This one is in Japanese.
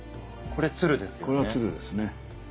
これは鶴ですね。